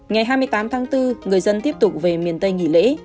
ngày hai mươi tám tháng bốn người dân tiếp tục về miền tây nghỉ lễ